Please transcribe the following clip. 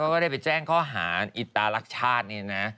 เขาก็ได้ไปแจ้งข้อหารอิตลักษโชษนี้นะ